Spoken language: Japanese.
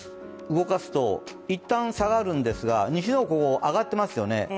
動かすと、いったん下がるんですが西の方、上がってますよね。